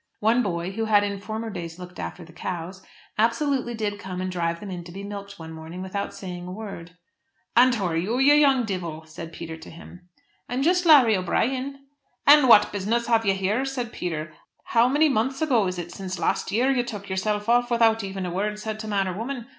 One boy, who had in former days looked after the cows, absolutely did come and drive them in to be milked one morning without saying a word. "And who are you, you young deevil?" said Peter to him. "I'm just Larry O'Brien." "And what business have you here?" said Peter. "How many months ago is it since last year you took yourself off without even a word said to man or woman?